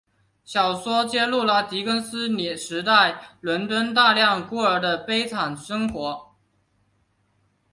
小说揭露了狄更斯时代伦敦大量孤儿的悲惨生活。